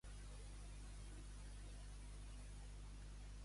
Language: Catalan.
L'ociós que entra en ta casa és un foc, és una brasa.